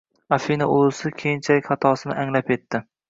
Afina ulusi keyinchalik xatosini anglab yetdi